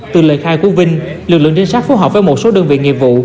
từ lời khai của vinh lực lượng trinh sát phù hợp với một số đơn vị nghiệp vụ